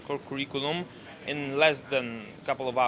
kursus ini juga dapat membuat kursus dengan lebih cepat